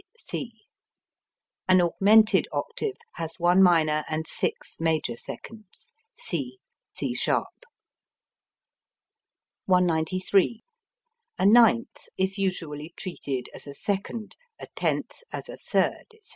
C C. An augmented octave has one minor and six major seconds. C C[sharp]. 193. A ninth is usually treated as a second, a tenth as a third, etc.